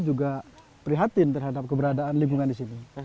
juga prihatin terhadap keberadaan lingkungan di situ